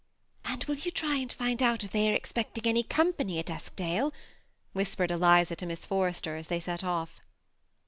" And will you tiy and find out if they are expecting any company at Eskdale?" whispered £liza to Miss Forrester, as they set off.